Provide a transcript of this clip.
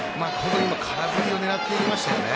空振りを狙っていましたよね。